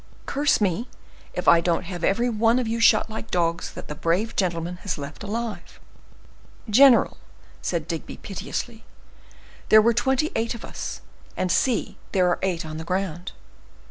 Curse me if I don't have every one of you shot like dogs, that the brave gentleman has left alive! "General," said Digby, piteously, "there were twenty eight of us, and see, there are eight on the ground."